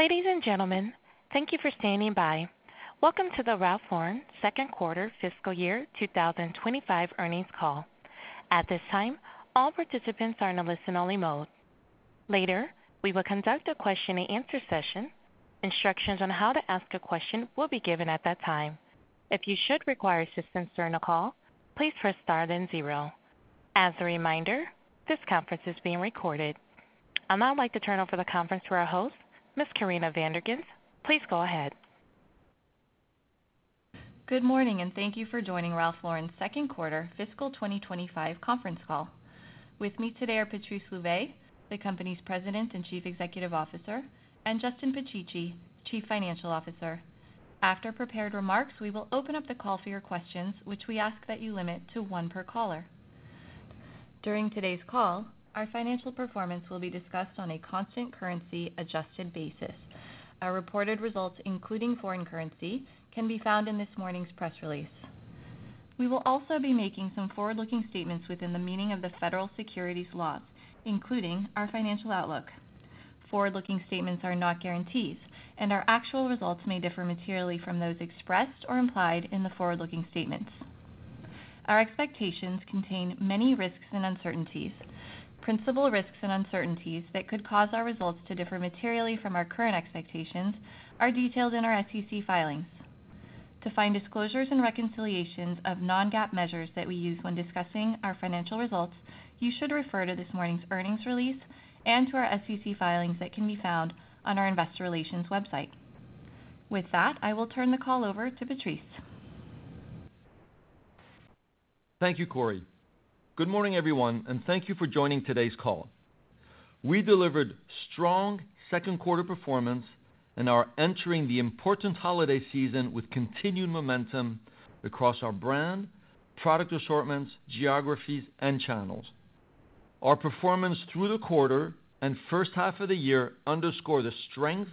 Ladies and gentlemen, thank you for standing by. Welcome to the Ralph Lauren Second Quarter Fiscal Year 2025 Earnings Call. At this time, all participants are in a listen-only mode. Later, we will conduct a question-and-answer session. Instructions on how to ask a question will be given at that time. If you should require assistance during the call, please press star then zero. As a reminder, this conference is being recorded. I'd now like to turn over the conference to our host, Miss Corinna Van der Ghinst. Please go ahead. Good morning, and thank you for joining Ralph Lauren's second quarter fiscal 2025 conference call. With me today are Patrice Louvet, the company's President and Chief Executive Officer, and Justin Picicci, Chief Financial Officer. After prepared remarks, we will open up the call for your questions, which we ask that you limit to one per caller. During today's call, our financial performance will be discussed on a constant currency-adjusted basis. Our reported results, including foreign currency, can be found in this morning's press release. We will also be making some forward-looking statements within the meaning of the federal securities laws, including our financial outlook. Forward-looking statements are not guarantees, and our actual results may differ materially from those expressed or implied in the forward-looking statements. Our expectations contain many risks and uncertainties. Principal risks and uncertainties that could cause our results to differ materially from our current expectations are detailed in our SEC filings. To find disclosures and reconciliations of non-GAAP measures that we use when discussing our financial results, you should refer to this morning's earnings release and to our SEC filings that can be found on our Investor Relations website. With that, I will turn the call over to Patrice. Thank you, Corinna. Good morning, everyone, and thank you for joining today's call. We delivered strong second quarter performance, and are entering the important holiday season with continued momentum across our brand, product assortments, geographies, and channels. Our performance through the quarter and first half of the year underscore the strength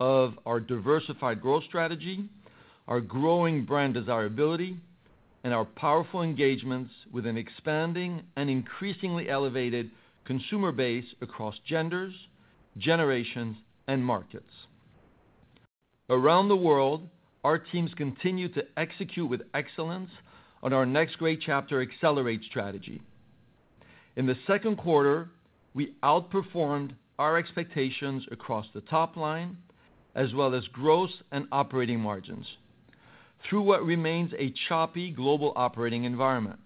of our diversified growth strategy, our growing brand desirability, and our powerful engagements with an expanding and increasingly elevated consumer base across genders, generations, and markets. Around the world, our teams continue to execute with excellence on our next great chapter, Accelerate Strategy. In the second quarter, we outperformed our expectations across the top line, as well as gross and operating margins, through what remains a choppy global operating environment.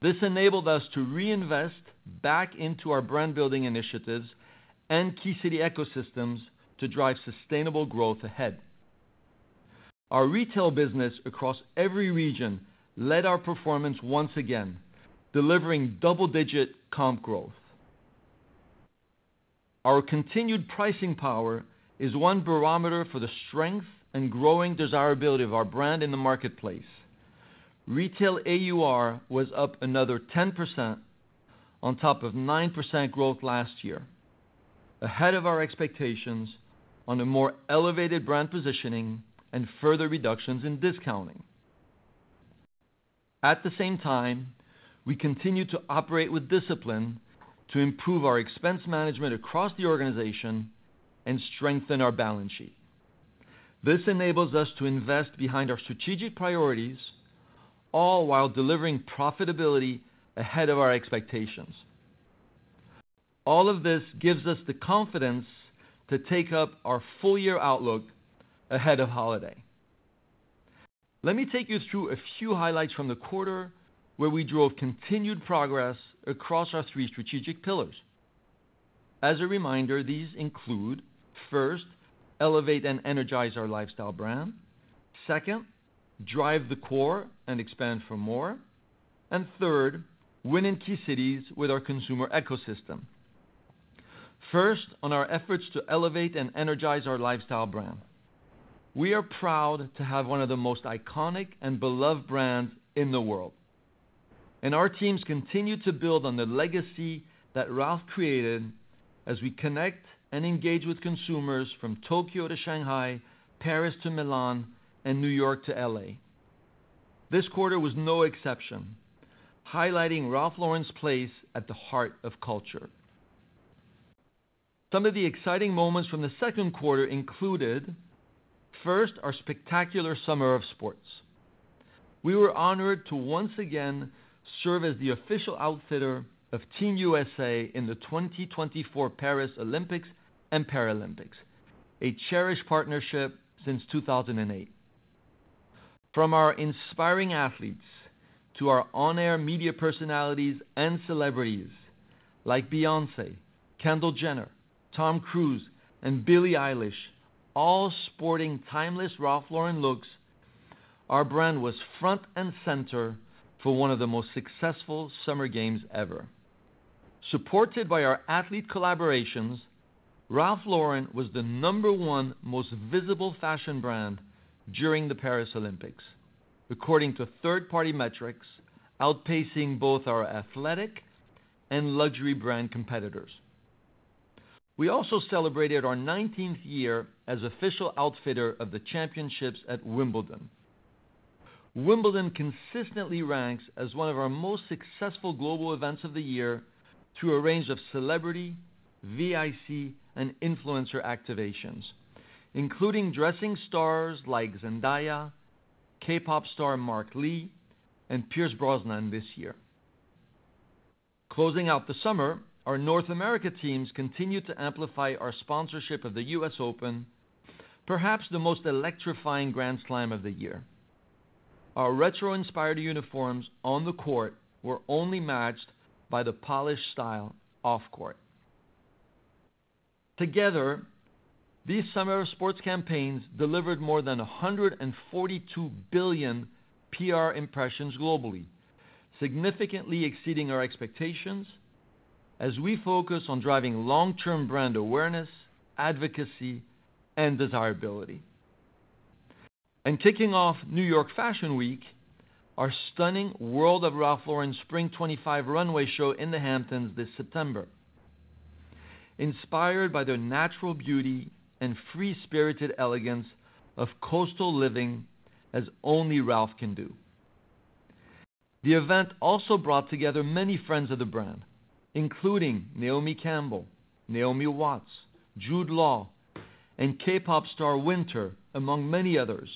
This enabled us to reinvest back into our brand-building initiatives and key city ecosystems to drive sustainable growth ahead. Our retail business across every region led our performance once again, delivering double-digit comp growth. Our continued pricing power is one barometer for the strength and growing desirability of our brand in the marketplace. Retail AUR was up another 10% on top of 9% growth last year, ahead of our expectations on a more elevated brand positioning and further reductions in discounting. At the same time, we continue to operate with discipline to improve our expense management across the organization and strengthen our balance sheet. This enables us to invest behind our strategic priorities, all while delivering profitability ahead of our expectations. All of this gives us the confidence to take up our full-year outlook ahead of holiday. Let me take you through a few highlights from the quarter where we drove continued progress across our three strategic pillars. As a reminder, these include, first, elevate and energize our lifestyle brand. Second, drive the core and expand for more. And third, win in key cities with our consumer ecosystem. First, on our efforts to elevate and energize our lifestyle brand, we are proud to have one of the most iconic and beloved brands in the world. And our teams continue to build on the legacy that Ralph created as we connect and engage with consumers from Tokyo to Shanghai, Paris to Milan, and New York to LA. This quarter was no exception, highlighting Ralph Lauren's place at the heart of culture. Some of the exciting moments from the second quarter included, first, our spectacular summer of sports. We were honored to once again serve as the official outfitter of Team USA in the 2024 Paris Olympics and Paralympics, a cherished partnership since 2008. From our inspiring athletes to our on-air media personalities and celebrities like Beyonce, Kendall Jenner, Tom Cruise, and Billie Eilish, all sporting timeless Ralph Lauren looks, our brand was front and center for one of the most successful summer games ever. Supported by our athlete collaborations, Ralph Lauren was the number one most visible fashion brand during the Paris Olympics, according to third-party metrics, outpacing both our athletic and luxury brand competitors. We also celebrated our 19th year as official outfitter of the championships at Wimbledon. Wimbledon consistently ranks as one of our most successful global events of the year through a range of celebrity, VIC, and influencer activations, including dressing stars like Zendaya, K-pop star Mark Lee, and Pierce Brosnan this year. Closing out the summer, our North America teams continued to amplify our sponsorship of the U.S. Open, perhaps the most electrifying grand slam of the year. Our retro-inspired uniforms on the court were only matched by the polished style off court. Together, these summer of sports campaigns delivered more than 142 billion PR impressions globally, significantly exceeding our expectations as we focus on driving long-term brand awareness, advocacy, and desirability, and kicking off New York Fashion Week, our stunning World of Ralph Lauren Spring '25 Runway Show in the Hamptons this September, inspired by the natural beauty and free-spirited elegance of coastal living as only Ralph can do. The event also brought together many friends of the brand, including Naomi Campbell, Naomi Watts, Jude Law, and K-pop star Winter, among many others,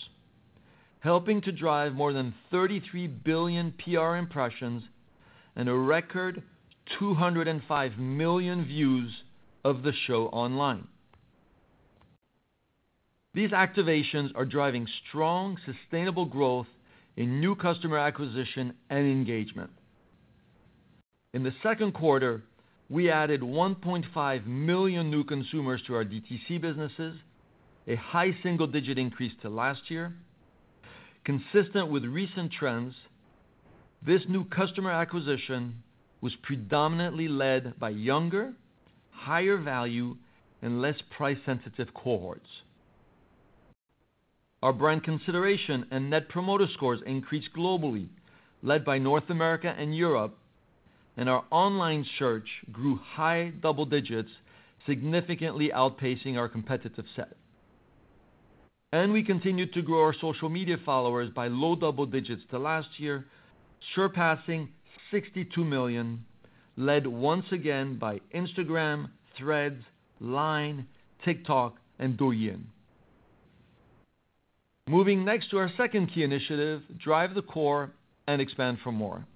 helping to drive more than 33 billion PR impressions and a record 205 million views of the show online. These activations are driving strong, sustainable growth in new customer acquisition and engagement. In the second quarter, we added 1.5 million new consumers to our DTC businesses, a high single-digit increase to last year. Consistent with recent trends, this new customer acquisition was predominantly led by younger, higher value, and less price-sensitive cohorts. Our brand consideration and net promoter scores increased globally, led by North America and Europe, and our online search grew high double digits, significantly outpacing our competitive set, and we continued to grow our social media followers by low double digits to last year, surpassing 62 million, led once again by Instagram, Threads, Line, TikTok, and Douyin. Moving next to our second key initiative, Drive the Core and Expand for More.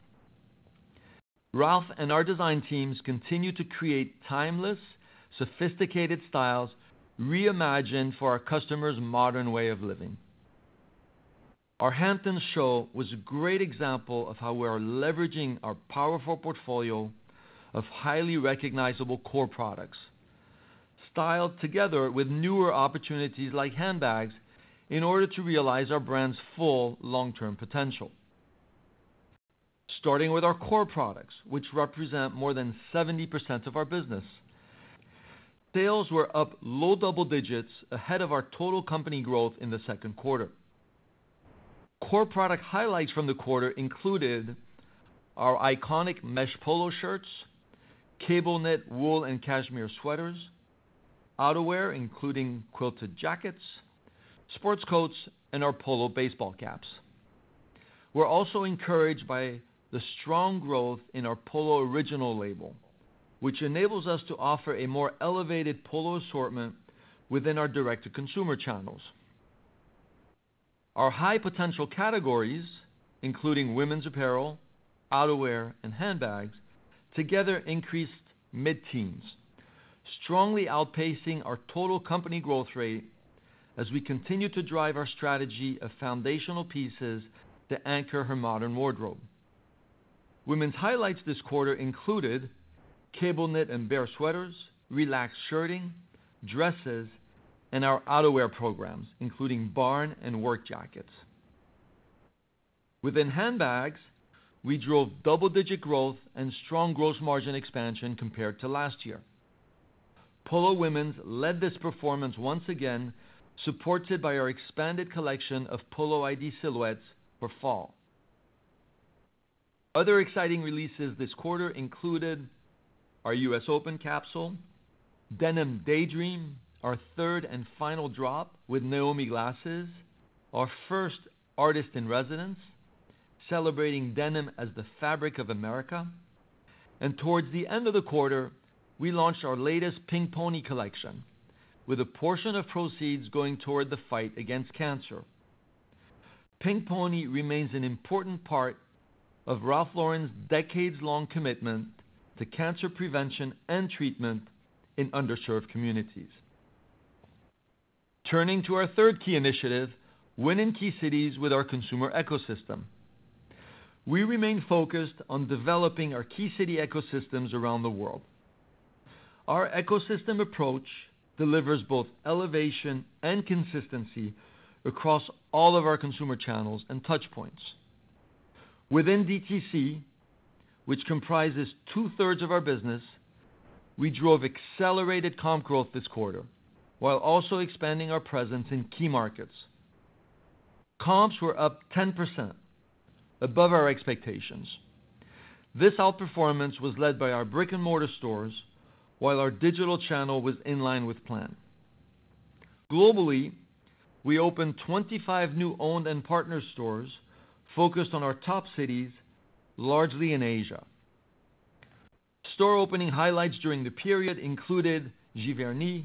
Ralph and our design teams continue to create timeless, sophisticated styles reimagined for our customers' modern way of living. Our Hamptons show was a great example of how we are leveraging our powerful portfolio of highly recognizable core products, styled together with newer opportunities like handbags, in order to realize our brand's full long-term potential. Starting with our core products, which represent more than 70% of our business, sales were up low double digits ahead of our total company growth in the second quarter. Core product highlights from the quarter included our iconic mesh polo shirts, cable-knit wool and cashmere sweaters, outerwear including quilted jackets, sports coats, and our polo baseball caps. We're also encouraged by the strong growth in our Polo original label, which enables us to offer a more elevated polo assortment within our direct-to-consumer channels. Our high potential categories, including women's apparel, outerwear, and handbags, together increased mid-teens, strongly outpacing our total company growth rate as we continue to drive our strategy of foundational pieces to anchor her modern wardrobe. Women's highlights this quarter included cable-knit and Bear sweaters, relaxed shirting, dresses, and our outerwear programs, including barn and work jackets. Within handbags, we drove double-digit growth and strong gross margin expansion compared to last year. Polo Women's led this performance once again, supported by our expanded collection of Polo ID silhouettes for fall. Other exciting releases this quarter included our U.S. Open capsule, Denim Daydream, our third and final drop with Naomi Glasses, our first Artist in Residence, celebrating denim as the fabric of America. And towards the end of the quarter, we launched our latest Pink Pony collection, with a portion of proceeds going toward the fight against cancer. Pink Pony remains an important part of Ralph Lauren's decades-long commitment to cancer prevention and treatment in underserved communities. Turning to our third key initiative, Win in Key Cities with our consumer ecosystem, we remain focused on developing our key city ecosystems around the world. Our ecosystem approach delivers both elevation and consistency across all of our consumer channels and touchpoints. Within DTC, which comprises two-thirds of our business, we drove accelerated comp growth this quarter, while also expanding our presence in key markets. Comps were up 10%, above our expectations. This outperformance was led by our brick-and-mortar stores, while our digital channel was in line with plan. Globally, we opened 25 new owned and partner stores focused on our top cities, largely in Asia. Store opening highlights during the period included Giverny,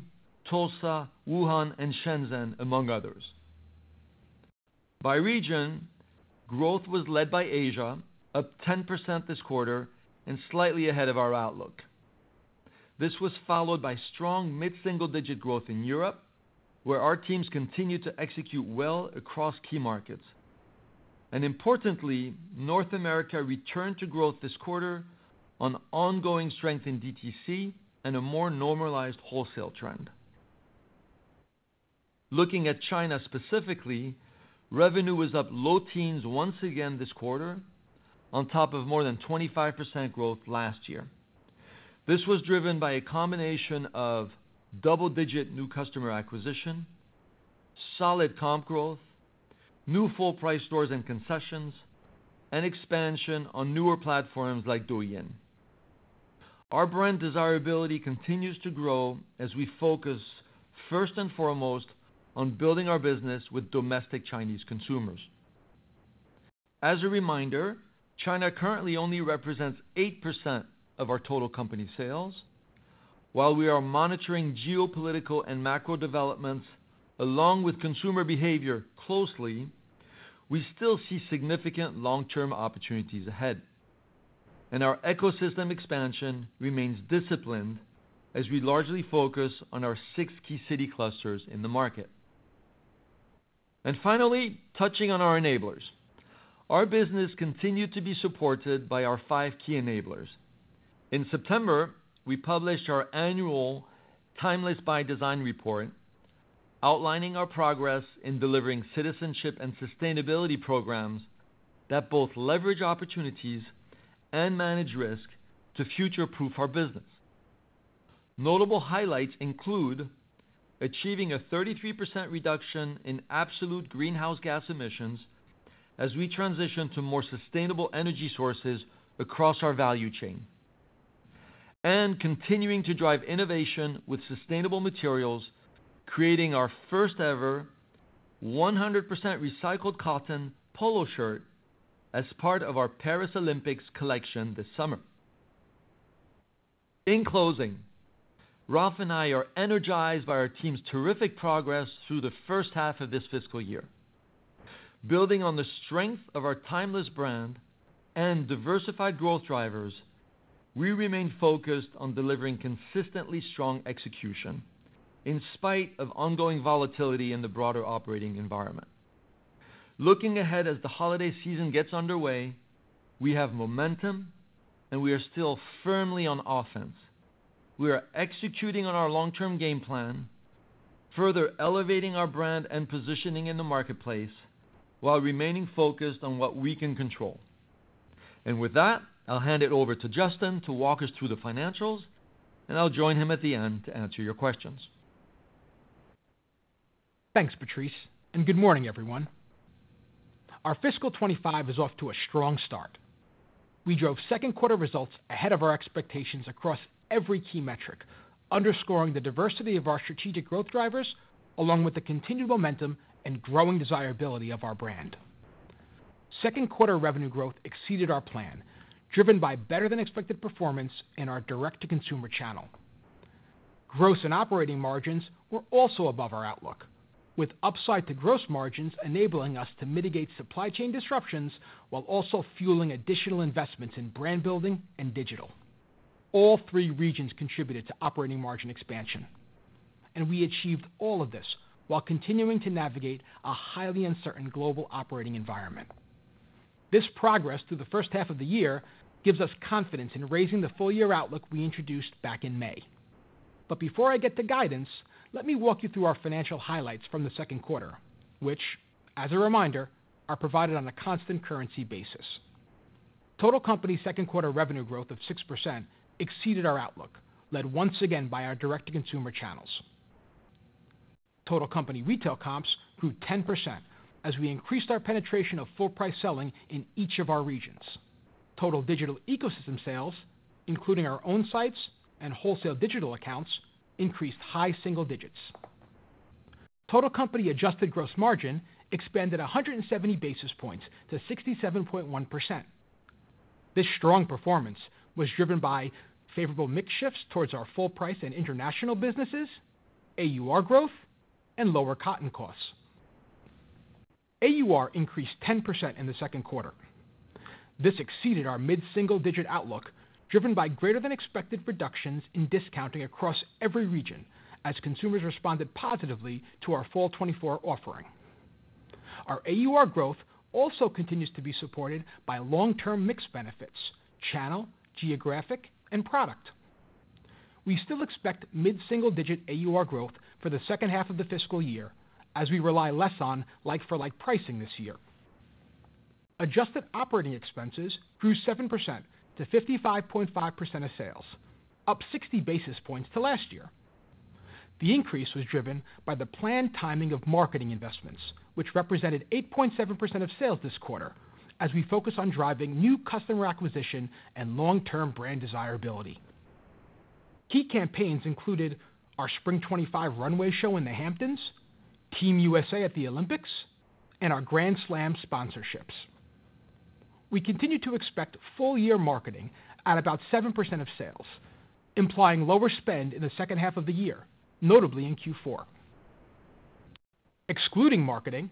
Tulsa, Wuhan, and Shenzhen, among others. By region, growth was led by Asia, up 10% this quarter and slightly ahead of our outlook. This was followed by strong mid-single-digit growth in Europe, where our teams continued to execute well across key markets, and importantly, North America returned to growth this quarter on ongoing strength in DTC and a more normalized wholesale trend. Looking at China specifically, revenue was up low teens once again this quarter, on top of more than 25% growth last year. This was driven by a combination of double-digit new customer acquisition, solid comp growth, new full-price stores and concessions, and expansion on newer platforms like Douyin. Our brand desirability continues to grow as we focus, first and foremost, on building our business with domestic Chinese consumers. As a reminder, China currently only represents 8% of our total company sales. While we are monitoring geopolitical and macro developments along with consumer behavior closely, we still see significant long-term opportunities ahead. And our ecosystem expansion remains disciplined as we largely focus on our six key city clusters in the market. And finally, touching on our enablers, our business continued to be supported by our five key enablers. In September, we published our annual Timeless by Design report, outlining our progress in delivering citizenship and sustainability programs that both leverage opportunities and manage risk to future-proof our business. Notable highlights include achieving a 33% reduction in absolute greenhouse gas emissions as we transition to more sustainable energy sources across our value chain, and continuing to drive innovation with sustainable materials, creating our first-ever 100% recycled cotton polo shirt as part of our Paris Olympics collection this summer. In closing, Ralph and I are energized by our team's terrific progress through the first half of this fiscal year. Building on the strength of our Timeless brand and diversified growth drivers, we remain focused on delivering consistently strong execution in spite of ongoing volatility in the broader operating environment. Looking ahead as the holiday season gets underway, we have momentum, and we are still firmly on offense. We are executing on our long-term game plan, further elevating our brand and positioning in the marketplace while remaining focused on what we can control. And with that, I'll hand it over to Justin to walk us through the financials, and I'll join him at the end to answer your questions. Thanks, Patrice, and good morning, everyone. Our fiscal 2025 is off to a strong start. We drove second-quarter results ahead of our expectations across every key metric, underscoring the diversity of our strategic growth drivers, along with the continued momentum and growing desirability of our brand. Second-quarter revenue growth exceeded our plan, driven by better-than-expected performance in our direct-to-consumer channel. Gross and operating margins were also above our outlook, with upside to gross margins enabling us to mitigate supply chain disruptions while also fueling additional investments in brand building and digital. All three regions contributed to operating margin expansion, and we achieved all of this while continuing to navigate a highly uncertain global operating environment. This progress through the first half of the year gives us confidence in raising the full-year outlook we introduced back in May. But before I get to guidance, let me walk you through our financial highlights from the second quarter, which, as a reminder, are provided on a constant currency basis. Total company second-quarter revenue growth of 6% exceeded our outlook, led once again by our direct-to-consumer channels. Total company retail comps grew 10% as we increased our penetration of full-price selling in each of our regions. Total digital ecosystem sales, including our own sites and wholesale digital accounts, increased high single digits. Total company adjusted gross margin expanded 170 basis points to 67.1%. This strong performance was driven by favorable mix shifts towards our full-price and international businesses, AUR growth, and lower cotton costs. AUR increased 10% in the second quarter. This exceeded our mid-single-digit outlook, driven by greater-than-expected reductions in discounting across every region as consumers responded positively to our Fall '24 offering. Our AUR growth also continues to be supported by long-term mix benefits, channel, geographic, and product. We still expect mid-single-digit AUR growth for the second half of the fiscal year as we rely less on like-for-like pricing this year. Adjusted operating expenses grew 7% to 55.5% of sales, up 60 basis points to last year. The increase was driven by the planned timing of marketing investments, which represented 8.7% of sales this quarter as we focus on driving new customer acquisition and long-term brand desirability. Key campaigns included our Spring '25 runway show in the Hamptons, Team U.S.A at the Olympics, and our Grand Slam sponsorships. We continue to expect full-year marketing at about 7% of sales, implying lower spend in the second half of the year, notably in Q4. Excluding marketing,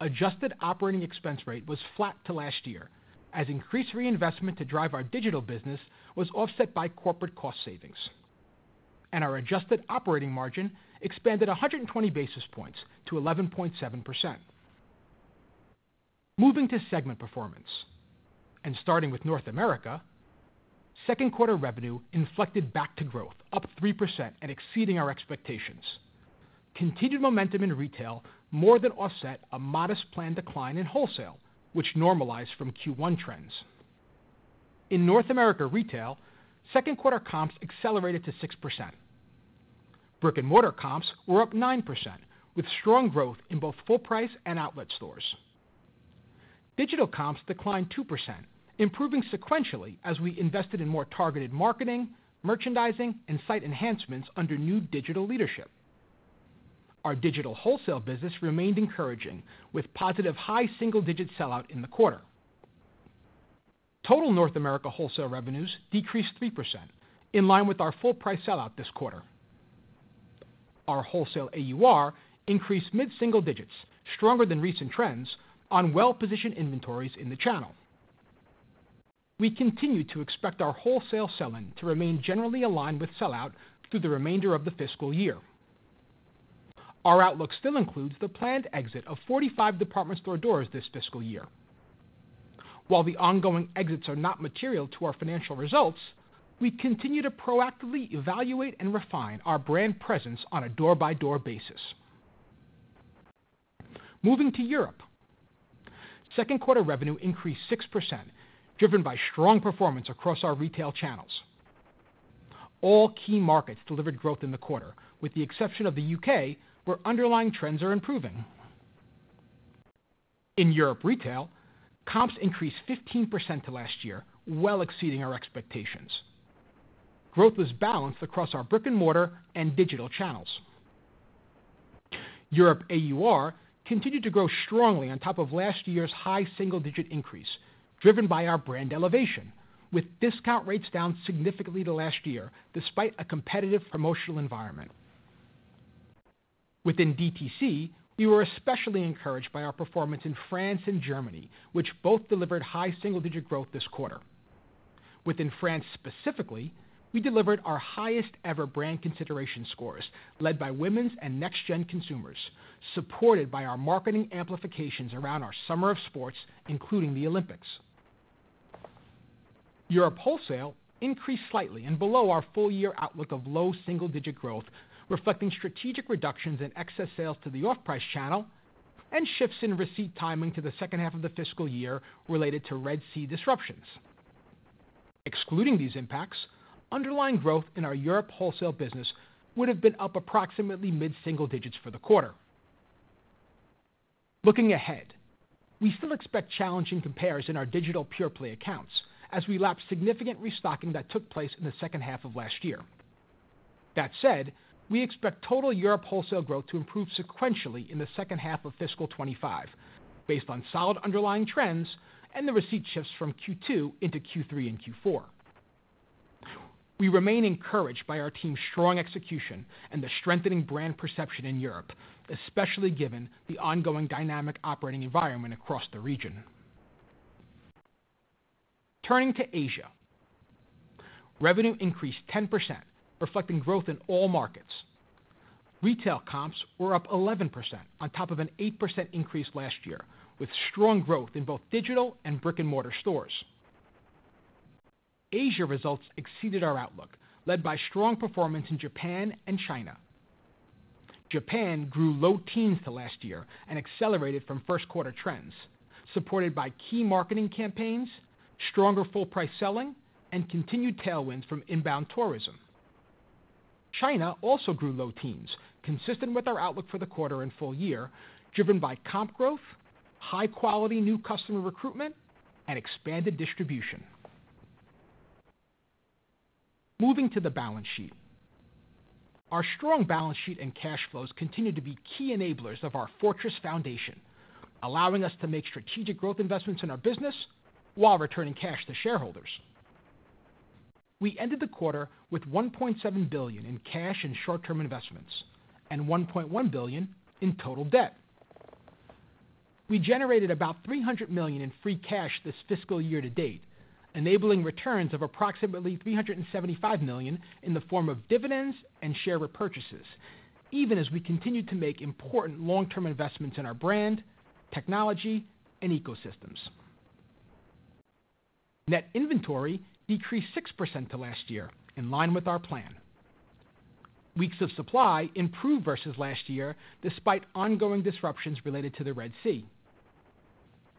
adjusted operating expense rate was flat to last year as increased reinvestment to drive our digital business was offset by corporate cost savings, and our adjusted operating margin expanded 120 basis points to 11.7%. Moving to segment performance, and starting with North America, second-quarter revenue inflected back to growth, up 3% and exceeding our expectations. Continued momentum in retail more than offset a modest planned decline in wholesale, which normalized from Q1 trends. In North America retail, second-quarter comps accelerated to 6%. Brick-and-mortar comps were up 9%, with strong growth in both full-price and outlet stores. Digital comps declined 2%, improving sequentially as we invested in more targeted marketing, merchandising, and site enhancements under new digital leadership. Our digital wholesale business remained encouraging, with positive high single-digit sellout in the quarter. Total North America wholesale revenues decreased 3%, in line with our full-price sellout this quarter. Our wholesale AUR increased mid-single digits, stronger than recent trends, on well-positioned inventories in the channel. We continue to expect our wholesale selling to remain generally aligned with sell-out through the remainder of the fiscal year. Our outlook still includes the planned exit of 45 department store doors this fiscal year. While the ongoing exits are not material to our financial results, we continue to proactively evaluate and refine our brand presence on a door-by-door basis. Moving to Europe, second-quarter revenue increased 6%, driven by strong performance across our retail channels. All key markets delivered growth in the quarter, with the exception of the U.K., where underlying trends are improving. In Europe retail, comps increased 15% to last year, well exceeding our expectations. Growth was balanced across our brick-and-mortar and digital channels. Europe AUR continued to grow strongly on top of last year's high single-digit increase, driven by our brand elevation, with discount rates down significantly to last year, despite a competitive promotional environment. Within DTC, we were especially encouraged by our performance in France and Germany, which both delivered high single-digit growth this quarter. Within France specifically, we delivered our highest-ever brand consideration scores, led by women's and next-gen consumers, supported by our marketing amplifications around our summer of sports, including the Olympics. Europe wholesale increased slightly and below our full-year outlook of low single-digit growth, reflecting strategic reductions in excess sales to the off-price channel and shifts in receipt timing to the second half of the fiscal year related to Red Sea disruptions. Excluding these impacts, underlying growth in our Europe wholesale business would have been up approximately mid-single digits for the quarter. Looking ahead, we still expect challenging compares in our digital pure play accounts as we lapped significant restocking that took place in the second half of last year. That said, we expect total Europe wholesale growth to improve sequentially in the second half of fiscal 2025, based on solid underlying trends and the receipt shifts from Q2 into Q3 and Q4. We remain encouraged by our team's strong execution and the strengthening brand perception in Europe, especially given the ongoing dynamic operating environment across the region. Turning to Asia, revenue increased 10%, reflecting growth in all markets. Retail comps were up 11% on top of an 8% increase last year, with strong growth in both digital and brick-and-mortar stores. Asia results exceeded our outlook, led by strong performance in Japan and China. Japan grew low teens to last year and accelerated from first-quarter trends, supported by key marketing campaigns, stronger full-price selling, and continued tailwinds from inbound tourism. China also grew low teens, consistent with our outlook for the quarter and full year, driven by comp growth, high-quality new customer recruitment, and expanded distribution. Moving to the balance sheet, our strong balance sheet and cash flows continue to be key enablers of our fortress foundation, allowing us to make strategic growth investments in our business while returning cash to shareholders. We ended the quarter with $1.7 billion in cash and short-term investments and $1.1 billion in total debt. We generated about $300 million in free cash this fiscal year to date, enabling returns of approximately $375 million in the form of dividends and share repurchases, even as we continue to make important long-term investments in our brand, technology, and ecosystems. Net inventory decreased 6% to last year, in line with our plan. Weeks of supply improved versus last year, despite ongoing disruptions related to the Red Sea.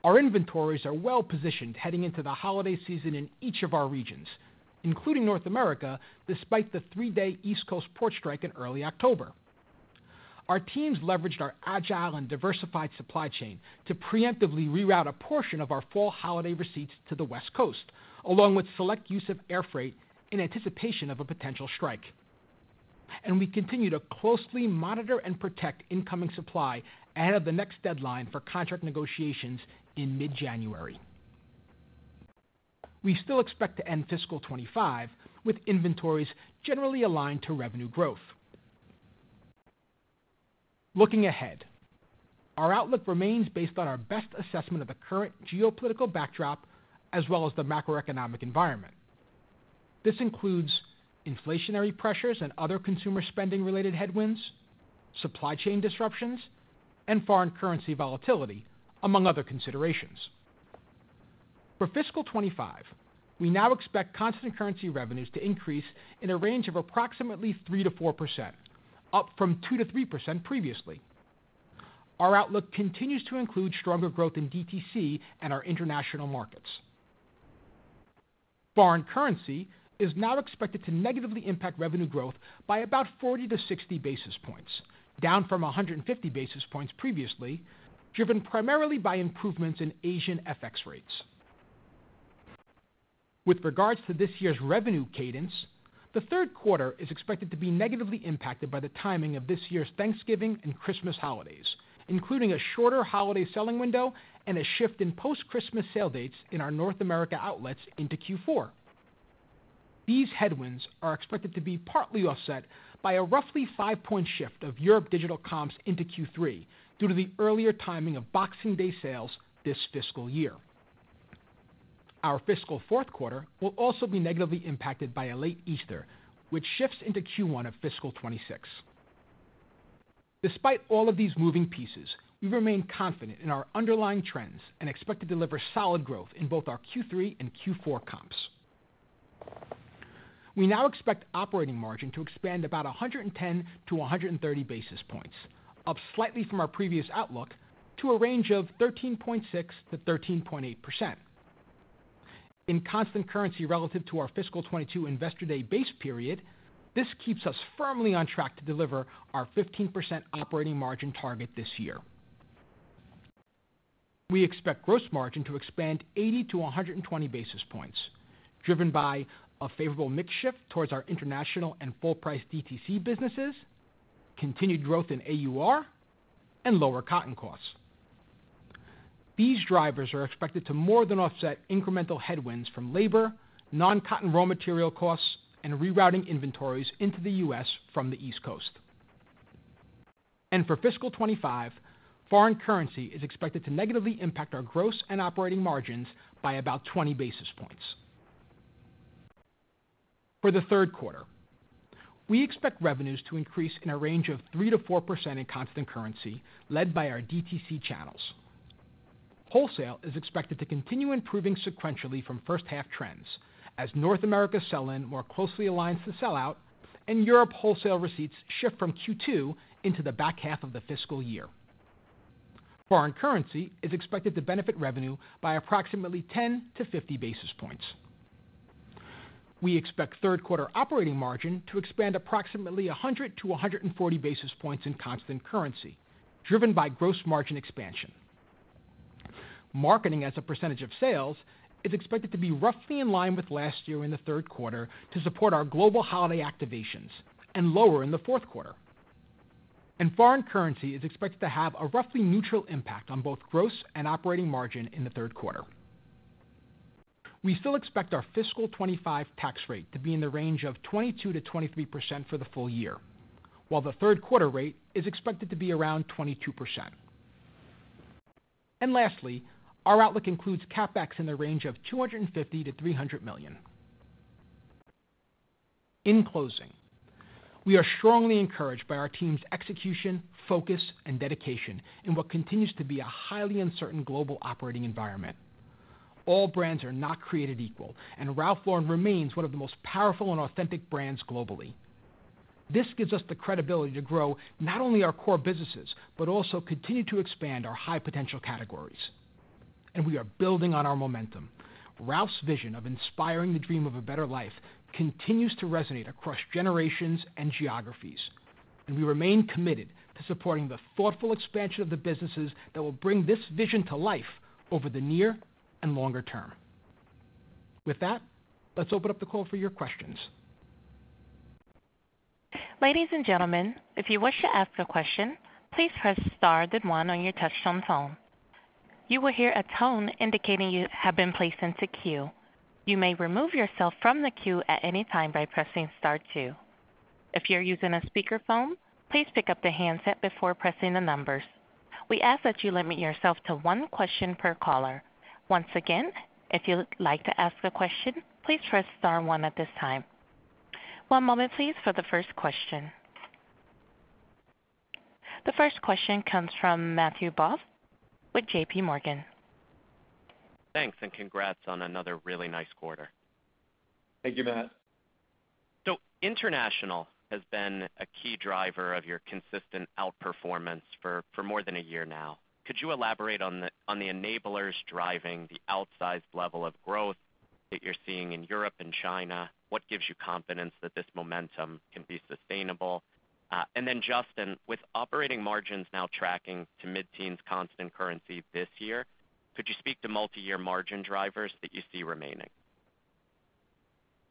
Our inventories are well positioned heading into the holiday season in each of our regions, including North America, despite the three-day East Coast port strike in early October. Our teams leveraged our agile and diversified supply chain to preemptively reroute a portion of our fall holiday receipts to the West Coast, along with select use of air freight in anticipation of a potential strike, and we continue to closely monitor and protect incoming supply ahead of the next deadline for contract negotiations in mid-January. We still expect to end fiscal 2025 with inventories generally aligned to revenue growth. Looking ahead, our outlook remains based on our best assessment of the current geopolitical backdrop as well as the macroeconomic environment. This includes inflationary pressures and other consumer spending-related headwinds, supply chain disruptions, and foreign currency volatility, among other considerations. For Fiscal 2025, we now expect constant currency revenues to increase in a range of approximately 3%-4%, up from 2%-3% previously. Our outlook continues to include stronger growth in DTC and our international markets. Foreign currency is now expected to negatively impact revenue growth by about 40-60 basis points, down from 150 basis points previously, driven primarily by improvements in Asian FX rates. With regards to this year's revenue cadence, the third quarter is expected to be negatively impacted by the timing of this year's Thanksgiving and Christmas holidays, including a shorter holiday selling window and a shift in post-Christmas sale dates in our North America outlets into Q4. These headwinds are expected to be partly offset by a roughly five-point shift of Europe digital comps into Q3 due to the earlier timing of Boxing Day sales this fiscal year. Our fiscal fourth quarter will also be negatively impacted by a late Easter, which shifts into Q1 of fiscal 2026. Despite all of these moving pieces, we remain confident in our underlying trends and expect to deliver solid growth in both our Q3 and Q4 comps. We now expect operating margin to expand about 110-130 basis points, up slightly from our previous outlook to a range of 13.6% to 13.8%. In constant currency relative to our fiscal 2022 Investor Day base period, this keeps us firmly on track to deliver our 15% operating margin target this year. We expect gross margin to expand 80-120 basis points, driven by a favorable mix shift towards our international and full-price DTC businesses, continued growth in AUR, and lower cotton costs. These drivers are expected to more than offset incremental headwinds from labor, non-cotton raw material costs, and rerouting inventories into the U.S. from the East Coast. For fiscal 2025, foreign currency is expected to negatively impact our gross and operating margins by about 20 basis points. For the third quarter, we expect revenues to increase in a range of 3% to 4% in constant currency, led by our DTC channels. Wholesale is expected to continue improving sequentially from first-half trends as North America selling more closely aligns to sellout and Europe wholesale receipts shift from Q2 into the back half of the fiscal year. Foreign currency is expected to benefit revenue by approximately 10-50 basis points. We expect third quarter operating margin to expand approximately 100-140 basis points in constant currency, driven by gross margin expansion. Marketing as a percentage of sales is expected to be roughly in line with last year in the third quarter to support our global holiday activations and lower in the fourth quarter. Foreign currency is expected to have a roughly neutral impact on both gross and operating margin in the third quarter. We still expect our fiscal 2025 tax rate to be in the range of 22%-23% for the full year, while the third quarter rate is expected to be around 22%. Lastly, our outlook includes CapEx in the range of $250 million-300 million. In closing, we are strongly encouraged by our team's execution, focus, and dedication in what continues to be a highly uncertain global operating environment. All brands are not created equal, and Ralph Lauren remains one of the most powerful and authentic brands globally. This gives us the credibility to grow not only our core businesses, but also continue to expand our high potential categories, and we are building on our momentum. Ralph's vision of inspiring the dream of a better life continues to resonate across generations and geographies, and we remain committed to supporting the thoughtful expansion of the businesses that will bring this vision to life over the near and longer term. With that, let's open up the call for your questions. Ladies and gentlemen, if you wish to ask a question, please press star then one on your touch-tone phone. You will hear a tone indicating you have been placed into queue. You may remove yourself from the queue at any time by pressing star two. If you're using a speakerphone, please pick up the handset before pressing the numbers. We ask that you limit yourself to one question per caller. Once again, if you'd like to ask a question, please press star one at this time. One moment, please, for the first question. The first question comes from Matthew Boss with JPMorgan. Thanks, and congrats on another really nice quarter. Thank you, Matt. So international has been a key driver of your consistent outperformance for more than a year now. Could you elaborate on the enablers driving the outsized level of growth that you're seeing in Europe and China? What gives you confidence that this momentum can be sustainable? And then, Justin, with operating margins now tracking to mid-teens constant currency this year, could you speak to multi-year margin drivers that you see remaining?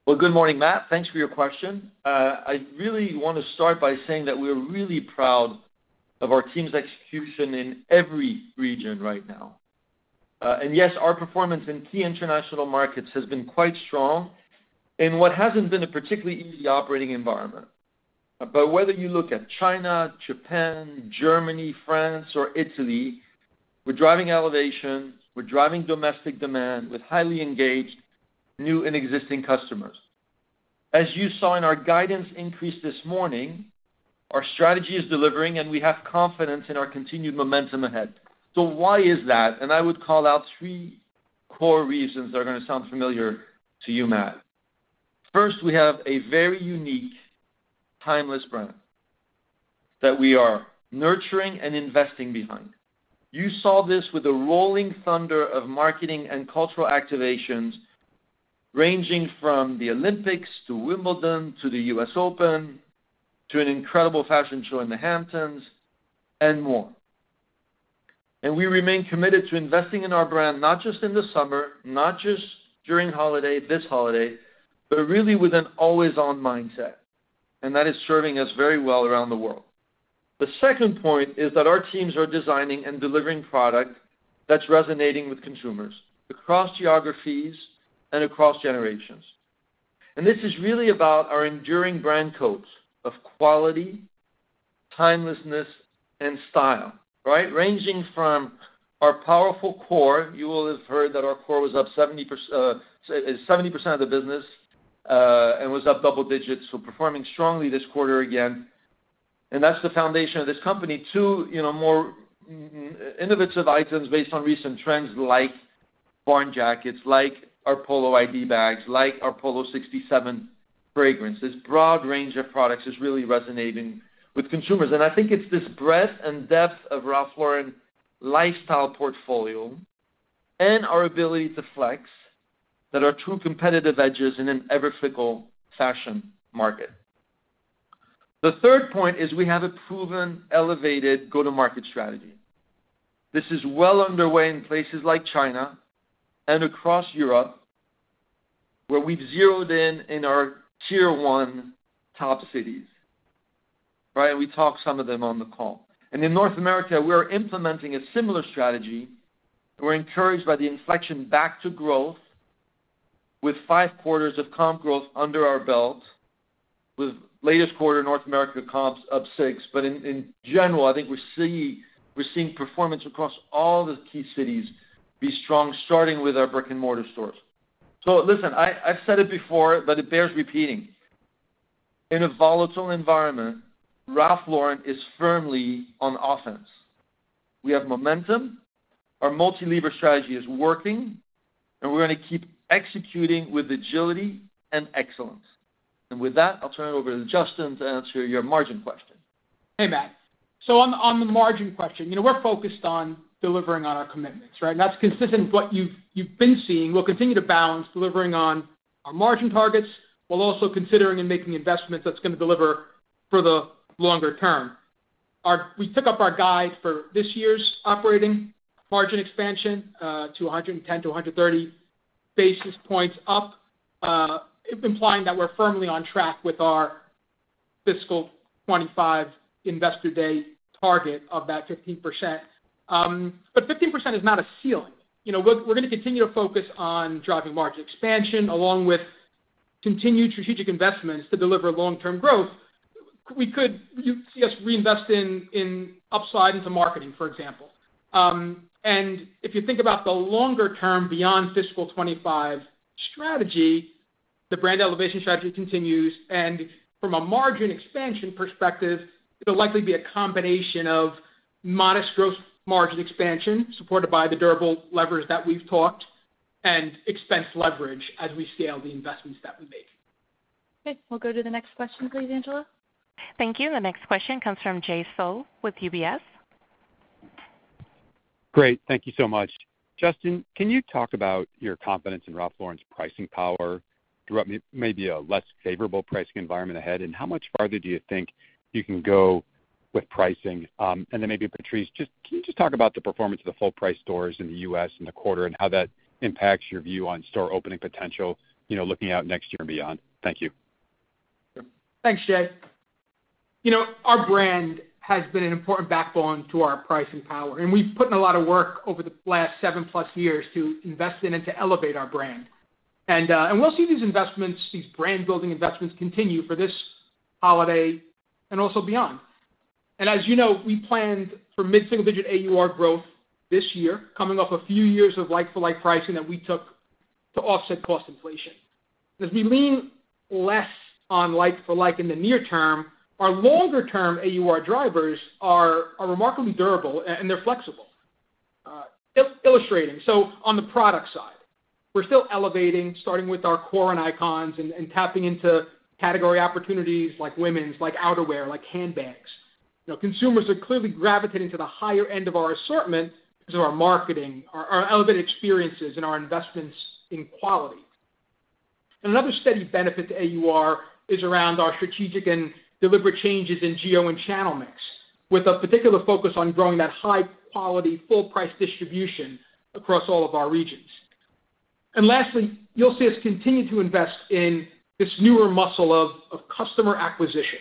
Well, good morning, Matt. Thanks for your question. I really want to start by saying that we are really proud of our team's execution in every region right now. And yes, our performance in key international markets has been quite strong in what hasn't been a particularly easy operating environment. But whether you look at China, Japan, Germany, France, or Italy, we're driving elevation. We're driving domestic demand with highly engaged new and existing customers. As you saw in our guidance increase this morning, our strategy is delivering, and we have confidence in our continued momentum ahead. So why is that? And I would call out three core reasons that are going to sound familiar to you, Matt. First, we have a very unique, timeless brand that we are nurturing and investing behind. You saw this with the rolling thunder of marketing and cultural activations ranging from the Olympics to Wimbledon to the U.S. Open to an incredible fashion show in the Hamptons and more. And we remain committed to investing in our brand, not just in the summer, not just during holiday, this holiday, but really with an always-on mindset. And that is serving us very well around the world. The second point is that our teams are designing and delivering product that's resonating with consumers across geographies and across generations. And this is really about our enduring brand codes of quality, timelessness, and style, right? Ranging from our powerful core, you will have heard that our core was up 70% of the business and was up double digits, so performing strongly this quarter again. And that's the foundation of this company to more innovative items based on recent trends like barn jackets, like our Polo ID bags, like our Polo 67 fragrances. This broad range of products is really resonating with consumers. And I think it's this breadth and depth of Ralph Lauren lifestyle portfolio and our ability to flex that are true competitive edges in an ever-fickle fashion market. The third point is we have a proven, elevated go-to-market strategy. This is well underway in places like China and across Europe, where we've zeroed in on our tier-one top cities, right? And we talked some of them on the call. And in North America, we are implementing a similar strategy. We're encouraged by the inflection back to growth with five quarters of comp growth under our belt, with latest quarter North America comps up 6%. But in general, I think we're seeing performance across all the key cities be strong, starting with our brick-and-mortar stores. So listen, I've said it before, but it bears repeating. In a volatile environment, Ralph Lauren is firmly on offense. We have momentum. Our multi-lever strategy is working, and we're going to keep executing with agility and excellence. And with that, I'll turn it over to Justin to answer your margin question. Hey, Matt. So on the margin question, we're focused on delivering on our commitments, right? And that's consistent with what you've been seeing. We'll continue to balance delivering on our margin targets while also considering and making investments that's going to deliver for the longer term. We took up our guidance for this year's operating margin expansion to 110-130 basis points up, implying that we're firmly on track with our fiscal 2025 Investor Day target of that 15%. But 15% is not a ceiling. We're going to continue to focus on driving margin expansion along with continued strategic investments to deliver long-term growth. We could see us reinvest in upside into marketing, for example. And if you think about the longer-term beyond fiscal 2025 strategy, the brand elevation strategy continues. And from a margin expansion perspective, it'll likely be a combination of modest gross margin expansion supported by the durable levers that we've talked and expense leverage as we scale the investments that we make. Okay. We'll go to the next question, please, Angela. Thank you. And the next question comes from Jay Sole with UBS. Great. Thank you so much. Justin, can you talk about your confidence in Ralph Lauren's pricing power throughout maybe a less favorable pricing environment ahead? And how much farther do you think you can go with pricing? And then maybe Patrice, can you just talk about the performance of the full-price stores in the U.S. in the quarter and how that impacts your view on store opening potential looking out next year and beyond? Thank you. Thanks, Jay. Our brand has been an important backbone to our pricing power. And we've put in a lot of work over the last seven-plus years to invest in and to elevate our brand. And we'll see these investments, these brand-building investments continue for this holiday and also beyond. And as you know, we planned for mid-single-digit AUR growth this year, coming off a few years of like-for-like pricing that we took to offset cost inflation. As we lean less on like-for-like in the near term, our longer-term AUR drivers are remarkably durable, and they're flexible. Illustrating. So on the product side, we're still elevating, starting with our core and icons and tapping into category opportunities like women's, like outerwear, like handbags. Consumers are clearly gravitating to the higher end of our assortment because of our marketing, our elevated experiences, and our investments in quality. And another steady benefit to AUR is around our strategic and deliberate changes in geo and channel mix, with a particular focus on growing that high-quality full-price distribution across all of our regions. And lastly, you'll see us continue to invest in this newer muscle of customer acquisition,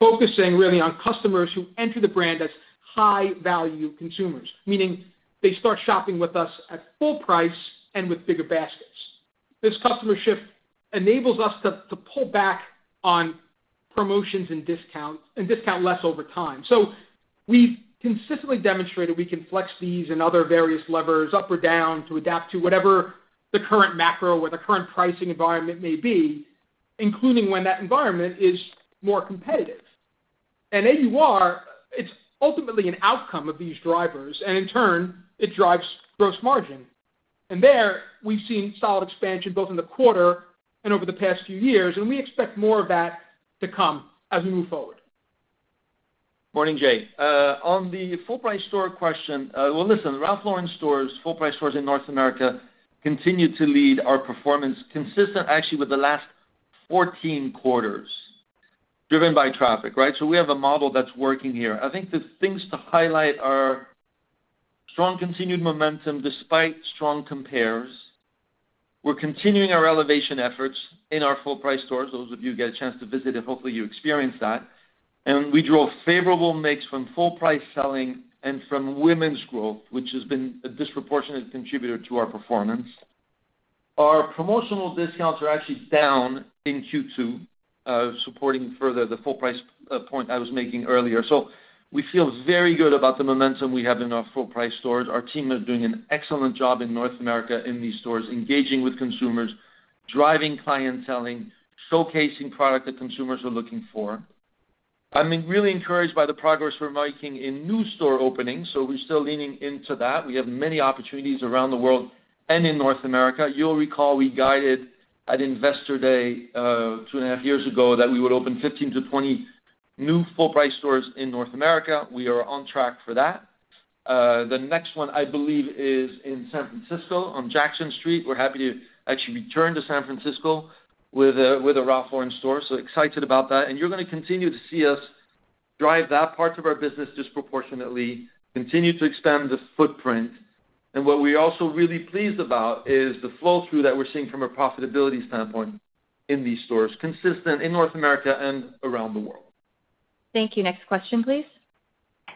focusing really on customers who enter the brand as high-value consumers, meaning they start shopping with us at full price and with bigger baskets. This customer shift enables us to pull back on promotions and discount less over time. So we've consistently demonstrated we can flex these and other various levers up or down to adapt to whatever the current macro or the current pricing environment may be, including when that environment is more competitive. And AUR, it's ultimately an outcome of these drivers. And in turn, it drives gross margin. And there, we've seen solid expansion both in the quarter and over the past few years. And we expect more of that to come as we move forward. Morning, Jay. On the full-price store question, well, listen, Ralph Lauren stores, full-price stores in North America continue to lead our performance, consistent, actually, with the last 14 quarters, driven by traffic, right? So we have a model that's working here. I think the things to highlight are strong continued momentum despite strong compares. We're continuing our elevation efforts in our full-price stores. Those of you who get a chance to visit it, hopefully, you experience that and we drove favorable mix from full-price selling and from women's growth, which has been a disproportionate contributor to our performance. Our promotional discounts are actually down in Q2, supporting further the full-price point I was making earlier, so we feel very good about the momentum we have in our full-price stores. Our team is doing an excellent job in North America in these stores, engaging with consumers, driving clientele, showcasing product that consumers are looking for, and I'm really encouraged by the progress we're making in new store openings, so we're still leaning into that. We have many opportunities around the world and in North America. You'll recall we guided at Investor Day two and a half years ago that we would open 15-20 new full-price stores in North America. We are on track for that. The next one, I believe, is in San Francisco on Jackson Street. We're happy to actually return to San Francisco with a Ralph Lauren store. So excited about that, and you're going to continue to see us drive that part of our business disproportionately, continue to expand the footprint, and what we're also really pleased about is the flow through that we're seeing from a profitability standpoint in these stores, consistent in North America and around the world. Thank you. Next question, please.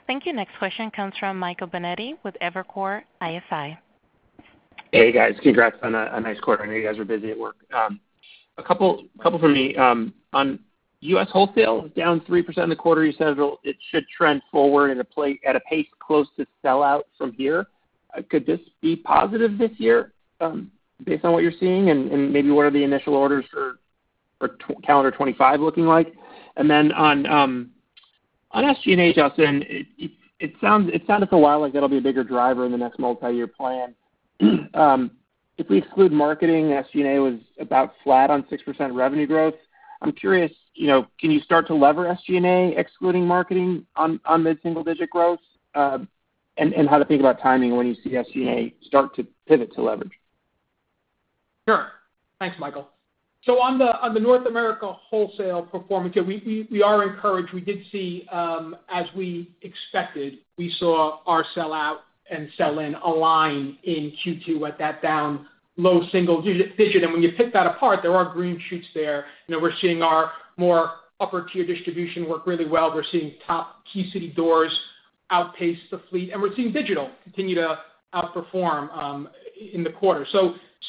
Thank you. Next question comes from Michael Binetti with Evercore ISI. Hey, guys. Congrats on a nice quarter. I know you guys were busy at work. A couple for me. On U.S. wholesale, down 3% in the quarter, you said it should trend forward at a pace close to sell-out from here. Could this be positive this year based on what you're seeing? And maybe what are the initial orders for calendar 2025 looking like? And then on SG&A, Justin, it sounded for a while like that'll be a bigger driver in the next multi-year plan. If we exclude marketing, SG&A was about flat on 6% revenue growth. I'm curious, can you start to lever SG&A excluding marketing on mid-single-digit growth? And how to think about timing when you see SG&A start to pivot to leverage? Sure. Thanks, Michael. So on the North America wholesale performance, we are encouraged. We did see, as we expected, we saw our sell-out and sell-in align in Q2 at that down low single digit. When you pick that apart, there are green shoots there. We're seeing our more upper-tier distribution work really well. We're seeing top key city doors outpace the fleet. We're seeing digital continue to outperform in the quarter.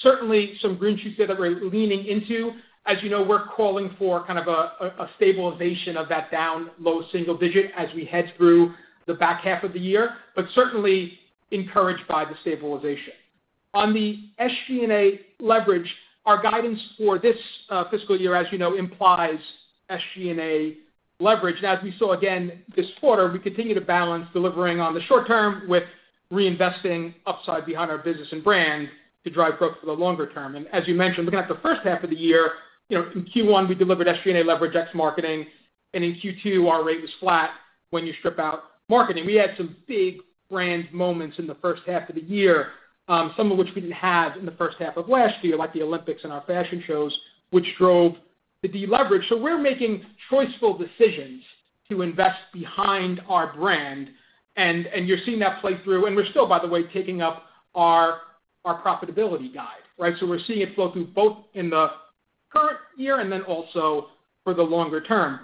Certainly, some green shoots there that we're leaning into. As you know, we're calling for kind of a stabilization of that down low single digit as we head through the back half of the year, but certainly encouraged by the stabilization. On the SG&A leverage, our guidance for this fiscal year, as you know, implies SG&A leverage. As we saw again this quarter, we continue to balance delivering on the short term with reinvesting upside behind our business and brand to drive growth for the longer term. As you mentioned, looking at the first half of the year, in Q1, we delivered SG&A leverage ex-marketing. And in Q2, our rate was flat when you strip out marketing. We had some big brand moments in the first half of the year, some of which we didn't have in the first half of last year, like the Olympics and our fashion shows, which drove the deleverage. So we're making choiceful decisions to invest behind our brand. And you're seeing that play through. And we're still, by the way, taking up our profitability guide, right? So we're seeing it flow through both in the current year and then also for the longer term.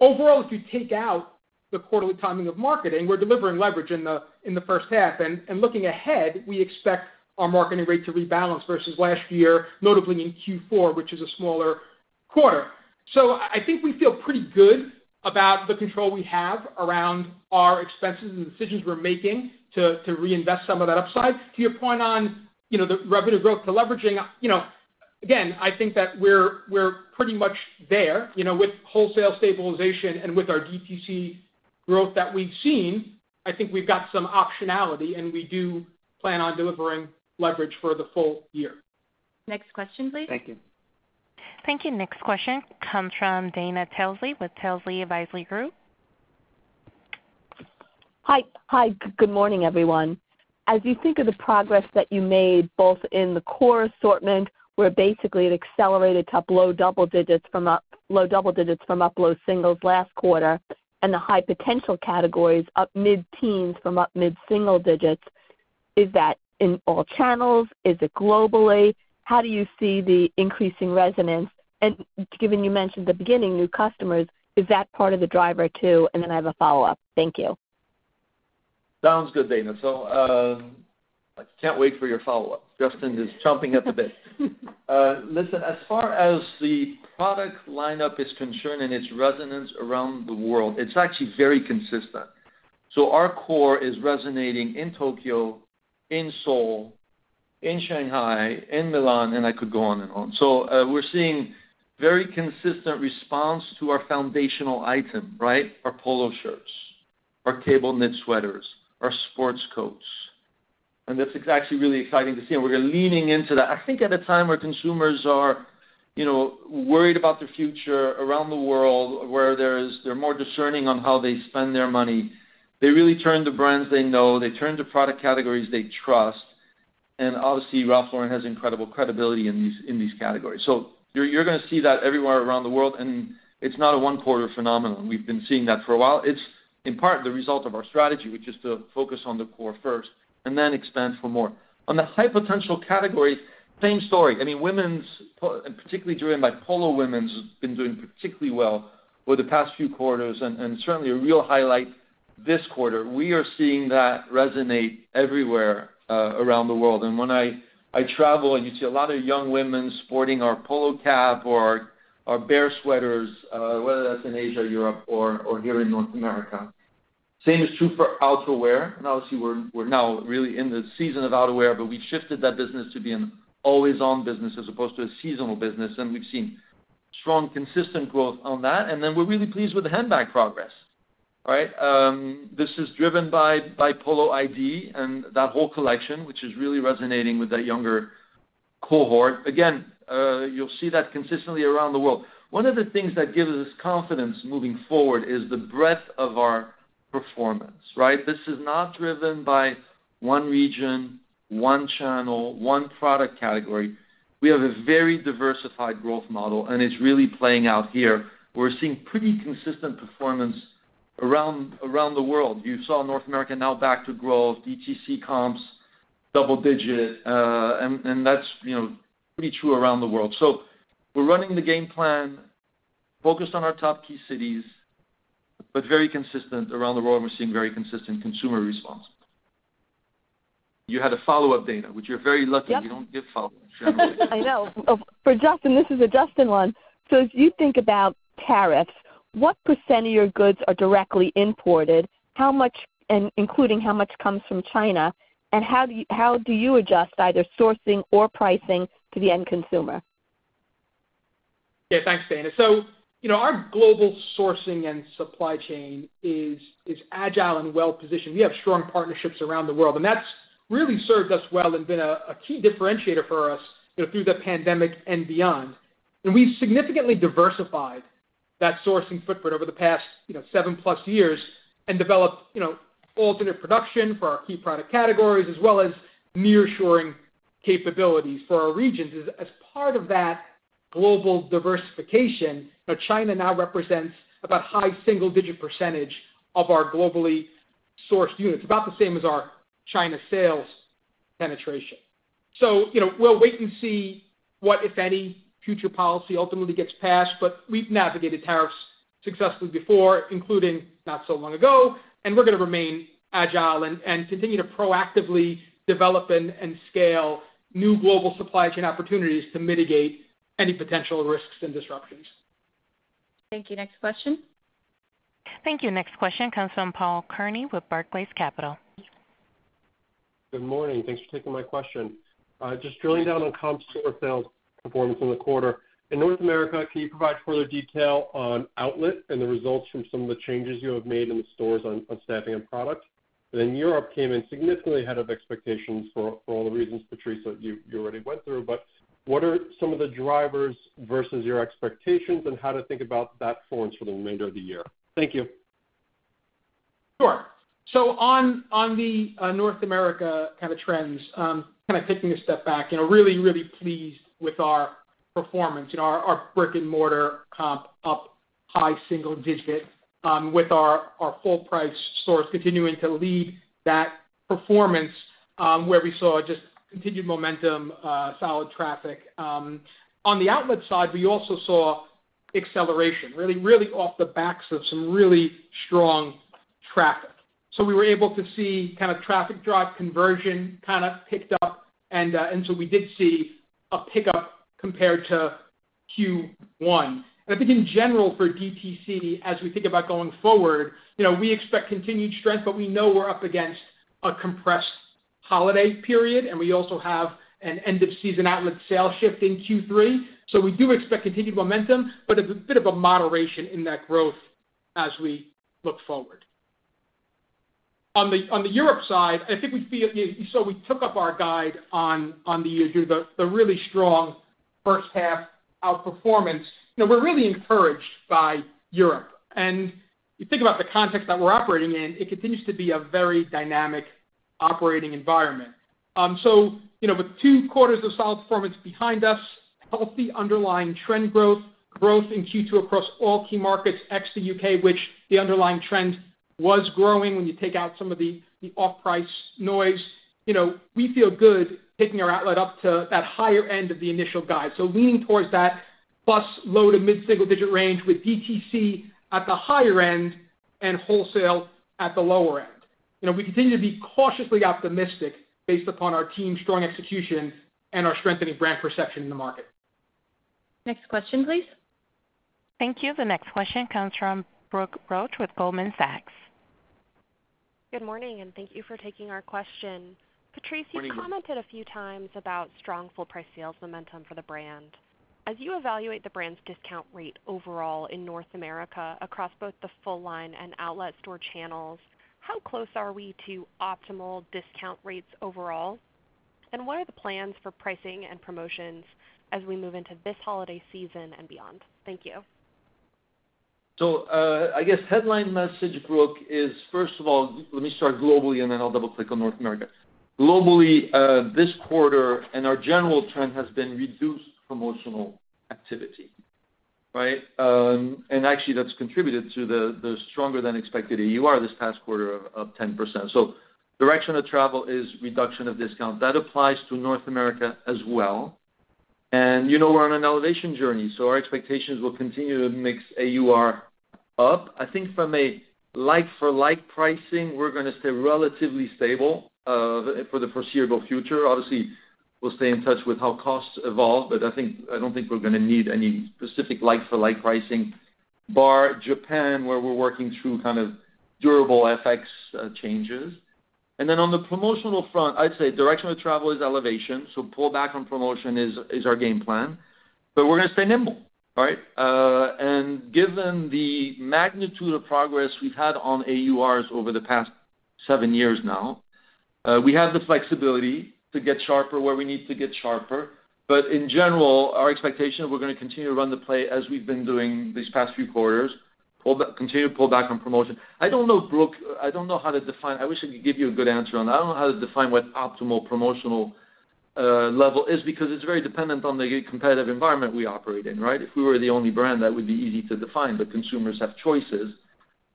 Overall, if you take out the quarterly timing of marketing, we're delivering leverage in the first half. And looking ahead, we expect our marketing rate to rebalance versus last year, notably in Q4, which is a smaller quarter. So I think we feel pretty good about the control we have around our expenses and decisions we're making to reinvest some of that upside. To your point on the revenue growth to leveraging, again, I think that we're pretty much there. With wholesale stabilization and with our DTC growth that we've seen, I think we've got some optionality, and we do plan on delivering leverage for the full year. Next question, please. Thank you. Thank you. Next question comes from Dana Telsey with Telsey Advisory Group. Hi. Hi. Good morning, everyone. As you think of the progress that you made both in the core assortment, where basically it accelerated to up low double digits from up low singles last quarter, and the high potential categories up mid-teens from up mid-single digits, is that in all channels? Is it globally? How do you see the increasing resonance? And given you mentioned at the beginning, new customers, is that part of the driver too? And then I have a follow-up. Thank you. Sounds good, Dana. So I can't wait for your follow-up. Justin is chomping at the bit. Listen, as far as the product lineup is concerned and its resonance around the world, it's actually very consistent. So our core is resonating in Tokyo, in Seoul, in Shanghai, in Milan, and I could go on and on. So we're seeing very consistent response to our foundational item, right? Our polo shirts, our cable knit sweaters, our sports coats. And that's actually really exciting to see. And we're leaning into that. I think at a time where consumers are worried about the future around the world, where they're more discerning on how they spend their money, they really turn to brands they know, they turn to product categories they trust, and obviously Ralph Lauren has incredible credibility in these categories, so you're going to see that everywhere around the world, and it's not a one-quarter phenomenon. We've been seeing that for a while. It's in part the result of our strategy, which is to focus on the core first and then expand for more. On the high potential categories, same story. I mean, women's, particularly driven by Polo Women's, has been doing particularly well over the past few quarters, and certainly a real highlight this quarter, we are seeing that resonate everywhere around the world. And when I travel, you see a lot of young women sporting our Polo cap or our Bear sweaters, whether that's in Asia, Europe, or here in North America. Same is true for outerwear. And obviously, we're now really in the season of outerwear, but we've shifted that business to be an always-on business as opposed to a seasonal business. And we've seen strong, consistent growth on that. And then we're really pleased with the handbag progress, right? This is driven by Polo ID and that whole collection, which is really resonating with that younger cohort. Again, you'll see that consistently around the world. One of the things that gives us confidence moving forward is the breadth of our performance, right? This is not driven by one region, one channel, one product category. We have a very diversified growth model, and it's really playing out here. We're seeing pretty consistent performance around the world. You saw North America now back to growth, DTC comps double-digit, and that's pretty true around the world, so we're running the game plan focused on our top key cities, but very consistent around the world. We're seeing very consistent consumer response. You had a follow-up, Dana, which you're very lucky. You don't give follow-ups. I know. For Justin, this is a Justin one, so as you think about tariffs, what % of your goods are directly imported? How much, including how much comes from China? And how do you adjust either sourcing or pricing to the end consumer? Yeah. Thanks, Dana, so our global sourcing and supply chain is agile and well-positioned. We have strong partnerships around the world. And that's really served us well and been a key differentiator for us through the pandemic and beyond. We've significantly diversified that sourcing footprint over the past seven-plus years and developed alternate production for our key product categories as well as near-shoring capabilities for our regions. As part of that global diversification, China now represents about a high single-digit percentage of our globally sourced units, about the same as our China sales penetration. So we'll wait and see what, if any, future policy ultimately gets passed. But we've navigated tariffs successfully before, including not so long ago. And we're going to remain agile and continue to proactively develop and scale new global supply chain opportunities to mitigate any potential risks and disruptions. Thank you. Next question. Thank you. Next question comes from Paul Kearney with Barclays Capital. Good morning. Thanks for taking my question. Just drilling down on comps for sales performance in the quarter. In North America, can you provide further detail on outlet and the results from some of the changes you have made in the stores on staffing and product? And then Europe came in significantly ahead of expectations for all the reasons, Patrice, you already went through. But what are some of the drivers versus your expectations and how to think about that forecast for the remainder of the year? Thank you. Sure. So on the North America kind of trends, kind of taking a step back, really, really pleased with our performance. Our brick-and-mortar comp up high single digit with our full-price stores continuing to lead that performance where we saw just continued momentum, solid traffic. On the outlet side, we also saw acceleration, really, really off the backs of some really strong traffic. So we were able to see kind of traffic drive conversion kind of picked up. And so we did see a pickup compared to Q1. And I think in general for DTC, as we think about going forward, we expect continued strength, but we know we're up against a compressed holiday period. And we also have an end-of-season outlet sale shift in Q3. So we do expect continued momentum, but a bit of a moderation in that growth as we look forward. On the Europe side, I think we feel so we took up our guide on the really strong first-half outperformance. We're really encouraged by Europe. And you think about the context that we're operating in, it continues to be a very dynamic operating environment. So with two quarters of solid performance behind us, healthy underlying trend growth, growth in Q2 across all key markets, ex the U.K., which the underlying trend was growing when you take out some of the off-price noise. We feel good taking our outlet up to that higher end of the initial guide. So leaning towards that plus low to mid-single digit range with DTC at the higher end and wholesale at the lower end. We continue to be cautiously optimistic based upon our team's strong execution and our strengthening brand perception in the market. Next question, please. Thank you. The next question comes from Brooke Roach with Goldman Sachs. Good morning, and thank you for taking our question. Patrice, you commented a few times about strong full-price sales momentum for the brand. As you evaluate the brand's discount rate overall in North America across both the full-line and outlet store channels, how close are we to optimal discount rates overall? And what are the plans for pricing and promotions as we move into this holiday season and beyond? Thank you. So I guess headline message, Brooke, is first of all, let me start globally, and then I'll double-click on North America. Globally, this quarter, our general trend has been reduced promotional activity, right? And actually, that's contributed to the stronger-than-expected AUR this past quarter of 10%. So direction of travel is reduction of discount. That applies to North America as well. And we're on an elevation journey. So our expectations will continue to mix AUR up. I think from a like-for-like pricing, we're going to stay relatively stable for the foreseeable future. Obviously, we'll stay in touch with how costs evolve. But I don't think we're going to need any specific like-for-like pricing, barring Japan, where we're working through kind of durable FX changes. And then on the promotional front, I'd say direction of travel is elevation. So pullback on promotion is our game plan. But we're going to stay nimble, right? And given the magnitude of progress we've had on AURs over the past seven years now, we have the flexibility to get sharper where we need to get sharper. But in general, our expectation is we're going to continue to run the play as we've been doing these past few quarters, continue to pull back on promotion. I don't know, Brooke. I don't know how to define. I wish I could give you a good answer on that. I don't know how to define what optimal promotional level is because it's very dependent on the competitive environment we operate in, right? If we were the only brand, that would be easy to define. But consumers have choices.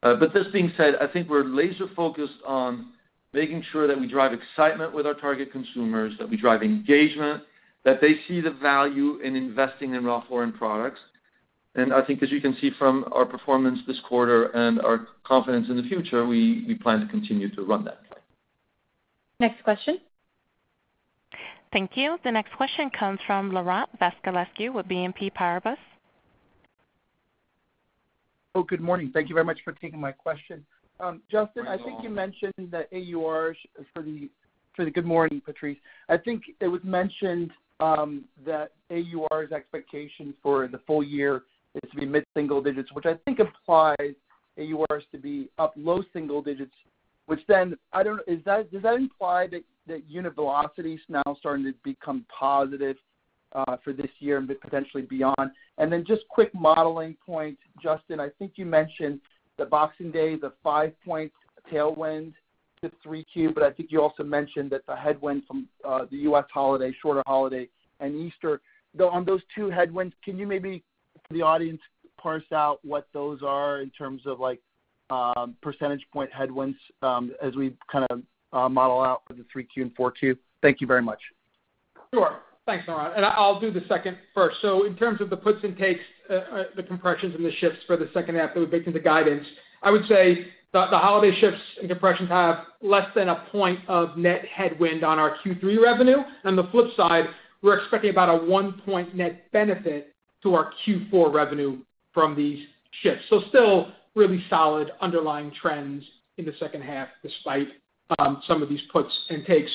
But this being said, I think we're laser-focused on making sure that we drive excitement with our target consumers, that we drive engagement, that they see the value in investing in Ralph Lauren products. And I think, as you can see from our performance this quarter and our confidence in the future, we plan to continue to run that play. Next question. Thank you. The next question comes from Laurent Vasilescu with BNP Paribas. Oh, good morning. Thank you very much for taking my question. Justin, I think you mentioned that AURs. Good morning, Patrice. I think it was mentioned that AUR expectation for the full year is to be mid-single digits, which I think implies AURs to be up low single digits, which then I don't know, does that imply that unit velocity is now starting to become positive for this year and potentially beyond? And then, just quick modeling point, Justin. I think you mentioned the Boxing Day, the five-point tailwind to 3Q, but I think you also mentioned that the headwind from the U.S. holiday, shorter holiday, and Easter. Though on those two headwinds, can you maybe for the audience parse out what those are in terms of percentage point headwinds as we kind of model out for the 3Q and 4Q? Thank you very much. Sure. Thanks, Laurent. And I'll do the second first. So in terms of the puts and takes, the compressions and the shifts for the second half that we've baked into guidance, I would say the holiday shifts and compressions have less than a point of net headwind on our Q3 revenue. And on the flip side, we're expecting about a one-point net benefit to our Q4 revenue from these shifts. So still really solid underlying trends in the second half despite some of these puts and takes.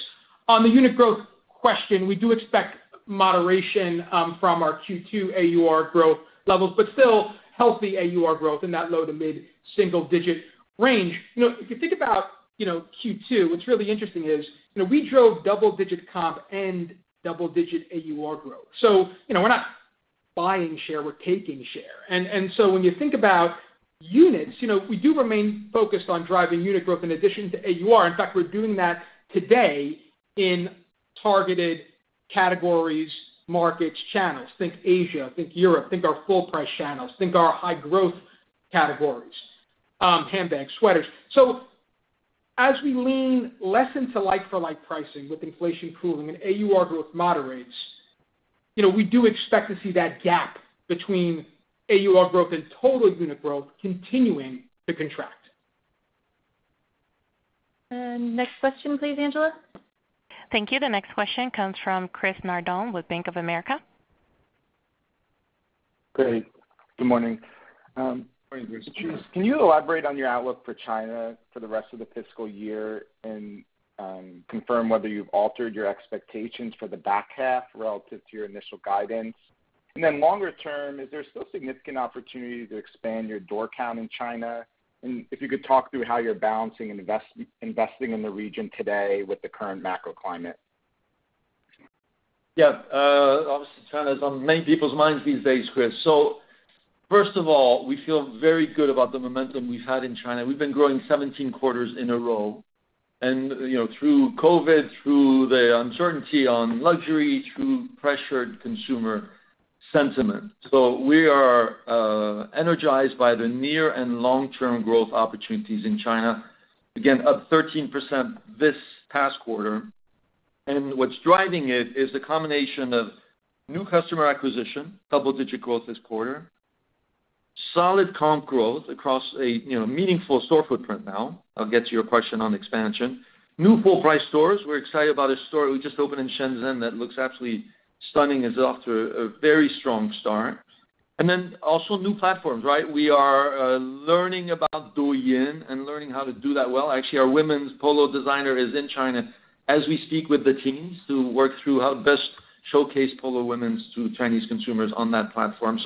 On the unit growth question, we do expect moderation from our Q2 AUR growth levels, but still healthy AUR growth in that low- to mid-single-digit range. If you think about Q2, what's really interesting is we drove double-digit comp and double-digit AUR growth. So we're not buying share, we're taking share. And so when you think about units, we do remain focused on driving unit growth in addition to AUR. In fact, we're doing that today in targeted categories, markets, channels. Think Asia, think Europe, think our full-price channels, think our high-growth categories, handbags, sweaters. So as we lean less into like-for-like pricing with inflation cooling and AUR growth moderates, we do expect to see that gap between AUR growth and total unit growth continuing to contract. And next question, please, Angela. Thank you. The next question comes from Chris Nardone with Bank of America. Great. Good morning. Good morning, Patrice. Can you elaborate on your outlook for China for the rest of the fiscal year and confirm whether you've altered your expectations for the back half relative to your initial guidance? And then longer term, is there still significant opportunity to expand your door count in China? And if you could talk through how you're balancing investing in the region today with the current macro climate. Yeah. Obviously, China is on many people's minds these days, Chris. So first of all, we feel very good about the momentum we've had in China. We've been growing 17 quarters in a row. And through COVID, through the uncertainty on luxury, through pressured consumer sentiment. So we are energized by the near and long-term growth opportunities in China. Again, up 13% this past quarter. What's driving it is a combination of new customer acquisition, double-digit growth this quarter, solid comp growth across a meaningful store footprint now. I'll get to your question on expansion. New full-price stores. We're excited about a store we just opened in Shenzhen that looks absolutely stunning as after a very strong start. Then also new platforms, right? We are learning about Douyin and learning how to do that well. Actually, our women's Polo designer is in China as we speak with the teams to work through how to best showcase Polo Women's to Chinese consumers on that platform.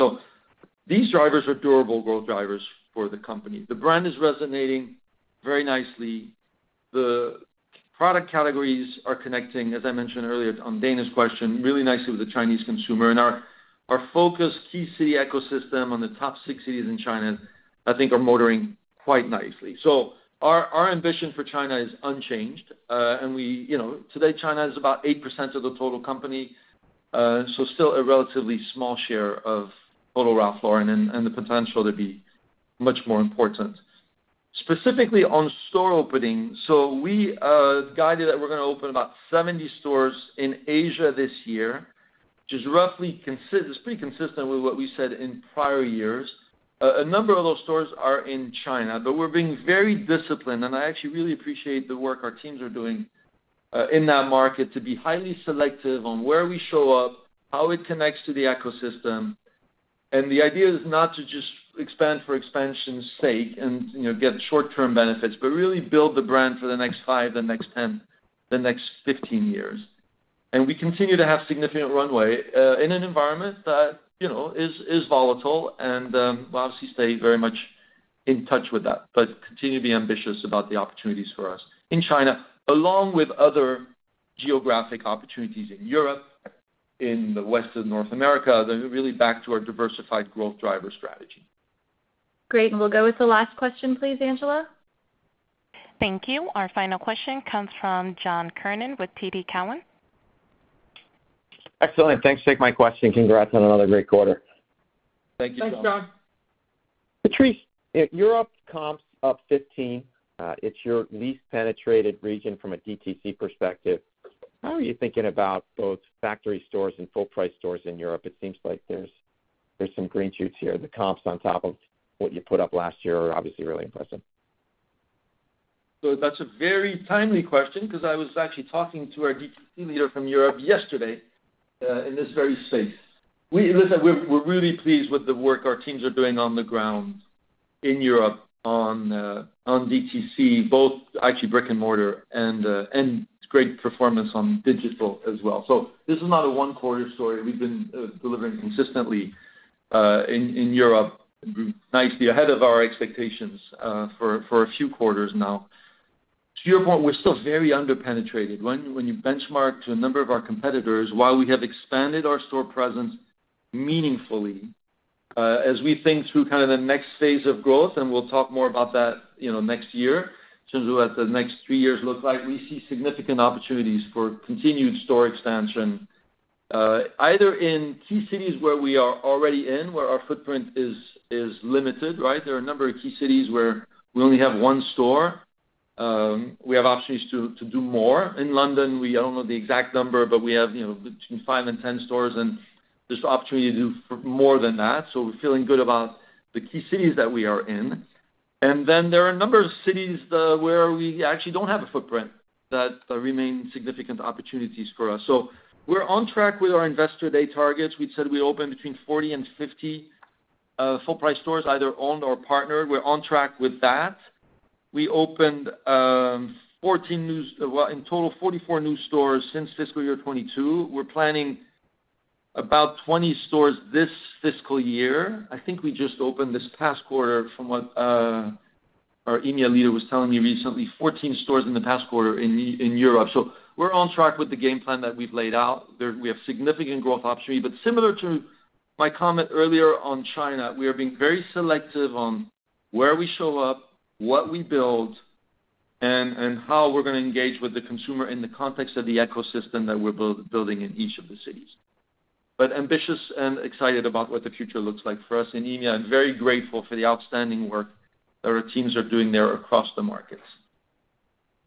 These drivers are durable growth drivers for the company. The brand is resonating very nicely. The product categories are connecting, as I mentioned earlier on Dana's question, really nicely with the Chinese consumer. And our focus, key city ecosystem on the top six cities in China, I think are motoring quite nicely. So our ambition for China is unchanged. And today, China is about 8% of the total company. So still a relatively small share of total Ralph Lauren and the potential to be much more important. Specifically on store opening, so we guided that we're going to open about 70 stores in Asia this year, which is roughly consistent with what we said in prior years. A number of those stores are in China, but we're being very disciplined. And I actually really appreciate the work our teams are doing in that market to be highly selective on where we show up, how it connects to the ecosystem. The idea is not to just expand for expansion's sake and get short-term benefits, but really build the brand for the next five, the next 10, the next 15 years. We continue to have significant runway in an environment that is volatile and will obviously stay very much in touch with that, but continue to be ambitious about the opportunities for us in China, along with other geographic opportunities in Europe, in the west of North America, really back to our diversified growth driver strategy. Great. We'll go with the last question, please, Angela. Thank you. Our final question comes from John Kernan with TD Cowen. Excellent. Thanks for taking my question. Congrats on another great quarter. Thank you, John. Thanks, John. Patrice, Europe comps up 15%. It's your least penetrated region from a DTC perspective. How are you thinking about both factory stores and full-price stores in Europe? It seems like there's some green shoots here. The comps on top of what you put up last year are obviously really impressive. So that's a very timely question because I was actually talking to our DTC leader from Europe yesterday in this very space. We're really pleased with the work our teams are doing on the ground in Europe on DTC, both actually brick and mortar and great performance on digital as well. So this is not a one-quarter story. We've been delivering consistently in Europe nicely ahead of our expectations for a few quarters now. To your point, we're still very underpenetrated. When you benchmark to a number of our competitors, while we have expanded our store presence meaningfully, as we think through kind of the next phase of growth, and we'll talk more about that next year, in terms of what the next three years look like, we see significant opportunities for continued store expansion, either in key cities where we are already in, where our footprint is limited, right? There are a number of key cities where we only have one store. We have options to do more. In London, I don't know the exact number, but we have between five and 10 stores and there's opportunity to do more than that. So we're feeling good about the key cities that we are in. And then there are a number of cities where we actually don't have a footprint that remain significant opportunities for us. So we're on track with our Investor-Day targets. We said we open between 40 and 50 full-price stores, either owned or partnered. We're on track with that. We opened 14 new, well, in total, 44 new stores since fiscal year 2022. We're planning about 20 stores this fiscal year. I think we just opened this past quarter from what our EMEA leader was telling me recently, 14 stores in the past quarter in Europe. So we're on track with the game plan that we've laid out. We have significant growth opportunity. But similar to my comment earlier on China, we are being very selective on where we show up, what we build, and how we're going to engage with the consumer in the context of the ecosystem that we're building in each of the cities. But ambitious and excited about what the future looks like for us in EMEA and very grateful for the outstanding work that our teams are doing there across the markets.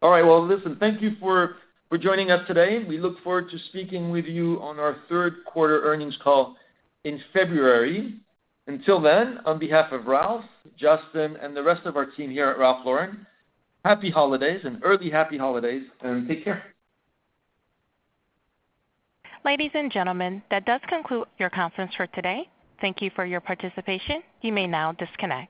All right. Well, listen, thank you for joining us today. We look forward to speaking with you on our third quarter earnings call in February. Until then, on behalf of Ralph, Justin, and the rest of our team here at Ralph Lauren, happy holidays and early happy holidays, and take care. Ladies and gentlemen, that does conclude your conference for today. Thank you for your participation. You may now disconnect.